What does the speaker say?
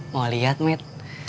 mau liat met